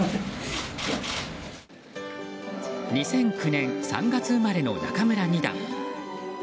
２００９年３月生まれの仲邑二段。